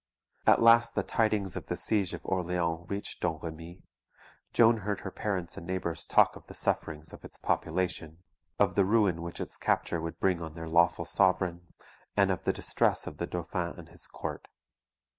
At last the tidings of the siege of Orleans reached Domremy, Joan heard her parents and neighbours talk of the sufferings of its population, of the ruin which its capture would bring on their lawful sovereign, and of the distress of the Dauphin and his court.